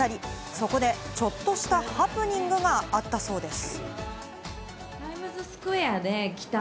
そこでちょっとしたハプニングがあったそうです。